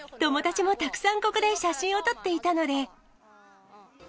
友達もたくさんここで写真を撮っていたので。